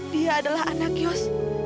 dia adalah anak yos